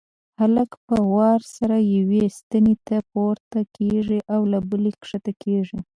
هلکان په وار سره یوې ستنې ته پورته کېږي او له بلې کښته کېږي.